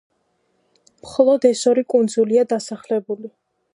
მხოლოდ ეს ორი კუნძულია დასახლებული.